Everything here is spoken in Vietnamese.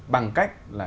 bằng cách là